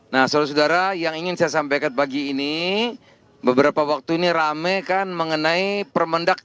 nah saudara saudara yang ingin saya sampaikan pagi ini beberapa waktu ini rame kan mengenai permendak